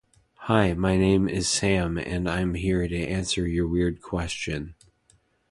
Hi my name is sam and I'm here to answer your weird question